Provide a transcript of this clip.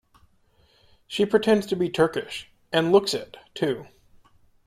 She pretends to be Turkish - and looks it, too.